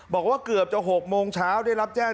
บอกว่าเกือบจะ๖โมงเช้าได้รับแจ้ง